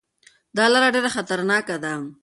دا لاره ډېره خطرناکه ده.